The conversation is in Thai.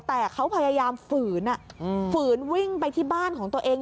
แต่เขาพยายามฝืนฝืนวิ่งไปที่บ้านของตัวเอง